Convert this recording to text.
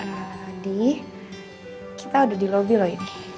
adi kita udah di lobby loh ini